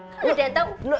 kan udah dia tau